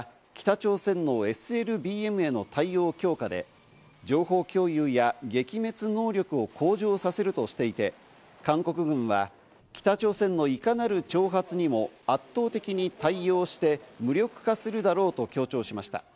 訓練の目的は北朝鮮のＳＬＢＭへの対応を強化で、情報共有や撃滅能力を向上させるとしていて韓国軍は北朝鮮のいかなる挑発にも圧倒的に対応して、無力化するだろうと強調しました。